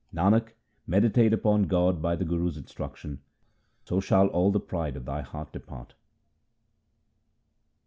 Nanak, meditate upon God by the Guru's instruction, so shall all the pride of thy heart depart.